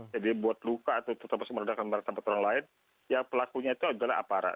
jadi buat luka atau merendahkan martabat orang lain ya pelakunya itu adalah aparat